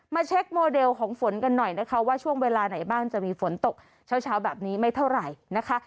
เช็คโมเดลของฝนกันหน่อยนะคะว่าช่วงเวลาไหนบ้างจะมีฝนตกเช้าแบบนี้ไม่เท่าไหร่นะคะ